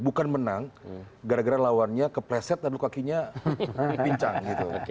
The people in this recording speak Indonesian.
bukan menang gara gara lawannya kepleset lalu kakinya pincang gitu